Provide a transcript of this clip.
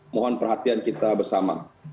mohon perhatian kita bersama